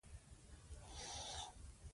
افغان ولس له خپل هېواد سره مینه لري.